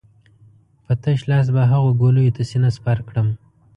په تش لاس به هغو ګولیو ته سينه سپر کړم.